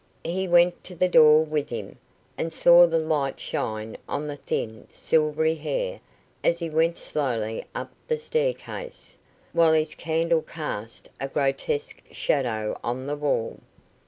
He went to the door with him, and saw the light shine on the thin, silvery hair as he went slowly up the staircase, while his candle cast a grotesque shadow on the wall.